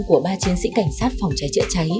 của ba chiến sĩ cảnh sát phòng cháy chữa cháy